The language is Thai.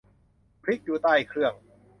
พลิกดูใต้เครื่อง